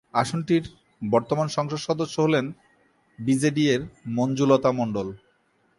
আসনটির বর্তমান সংসদ সদস্য হলেন বিজেডি-এর মঞ্জু লতা মণ্ডল।